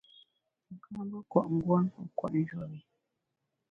Wu ka mbe kùot nguon wu kùot njuop i.